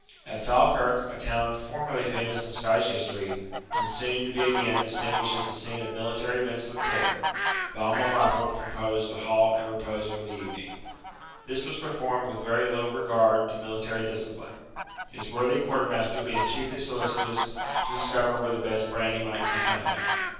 At Falkirk, a town formerly famous in Scottish history, and soon to be again distinguished as the scene of military events of importance, Balmawhapple proposed to halt and repose for the evening. This was performed with very little regard to military discipline, his worthy quarter master being chiefly solicitous to discover where the best brandy might be come at.